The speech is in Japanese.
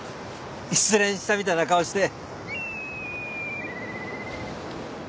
失恋したみたいな顔して。